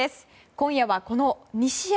今夜は、この２試合。